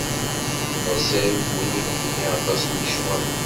Mazal ggunin-iyi aṭas n lecɣal.